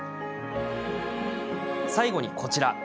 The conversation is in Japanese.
最後に、こちら。